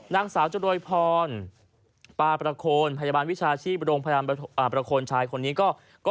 นางสาวจรวยพรปาประโคนพยาบาลวิชาชีพโรงพยาบาลประโคนชายคนนี้ก็